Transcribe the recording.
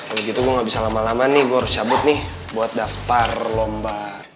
udah gitu gue gak bisa lama lama nih gue harus cabut nih buat daftar lomba